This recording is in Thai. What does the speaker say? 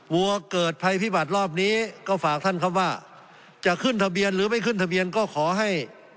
วัวเกิดภัยพิบัตรรอบนี้ก็ฝากท่านครับว่าจะขึ้นทะเบียนหรือไม่ขึ้นทะเบียนก็ขอให้